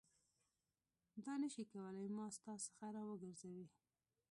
دا نه شي کولای ما ستا څخه راوګرځوي.